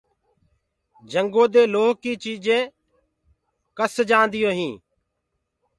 جنگو دي لوه ڪي چيجينٚ ڪس جآنيونٚ هينٚ۔